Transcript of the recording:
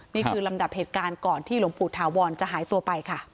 นี่คือลำดับเหตุการณ์ก่อนที่หลวงปู่ถาวรจะหายตัวไปค่ะ